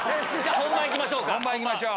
本番行きましょう。